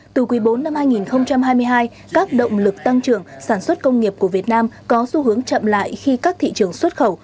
từ quý bốn năm hai nghìn hai mươi hai các động lực tăng trưởng sản xuất công nghiệp của việt nam có xu hướng chậm lại khi các thị trường xuất khẩu